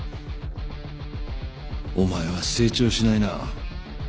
お前は成長しないな。